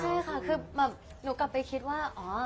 ใช่ค่ะคือแบบหนูกลับไปคิดว่าอ๋อ